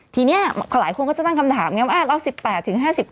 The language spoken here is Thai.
ทีนี้หลายคนก็จะตั้งคำถามไงว่าเรา๑๘ถึง๕๐